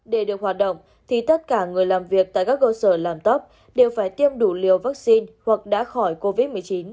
để được hoạt động thì tất cả người làm việc tại các cơ sở làm tấp đều phải tiêm đủ liều vaccine hoặc đã khỏi covid một mươi chín